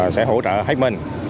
sẽ hỗ trợ hết mình